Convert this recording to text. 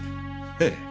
ええ。